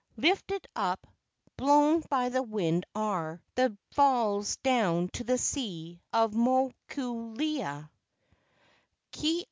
"Lifted up, blown by the wind are The falls down to the sea of Mokuleia."